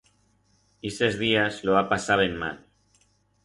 Ixes días lo va pasar ben mal.